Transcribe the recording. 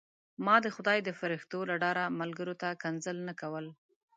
ما د خدای د فرښتو له ډاره ملګرو ته کنځل نه کول.